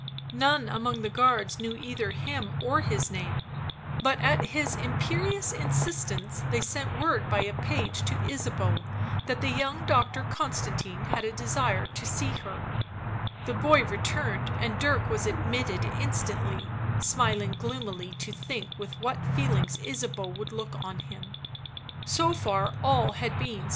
None among the guards knew either him or his name, but at his imperious insistence, they sent word by a page to Ysabeau that the young doctor Constantine had a ? ee , he J: The boy returned, and Dirk was mSt v 1 * u' smilmg gloomily to think with ^? t ^ ee ^ ingS i?i Sa ^ ea ' u wou ld look on him. So far all t nrf S ?